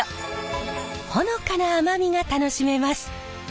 ほのかな甘みが楽しめます。